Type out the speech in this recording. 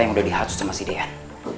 yang udah dihatsu sama si deyan